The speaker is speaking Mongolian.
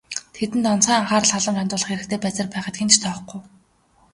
Тэдэнд онцгой анхаарал халамж хандуулах хэрэгтэй байсаар байхад хэн ч тоохгүй.